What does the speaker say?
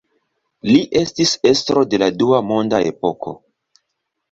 Li estis estro de la dua monda epoko.